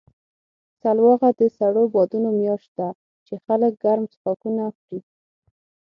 سلواغه د سړو بادونو میاشت ده، چې خلک ګرم څښاکونه خوري.